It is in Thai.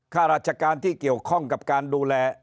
ข้าราชการที่เกี่ยวข้องกับการดูแล